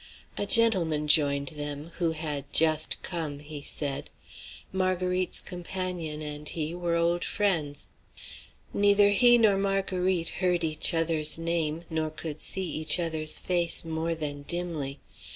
A gentleman joined them, who had "just come," he said. Marguerite's companion and he were old friends. Neither he nor Marguerite heard each other's name, nor could see each other's face more than dimly.